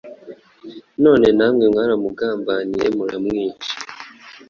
none namwe mwaramugambaniye muramwica: